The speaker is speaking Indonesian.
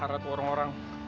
parah tuh orang orang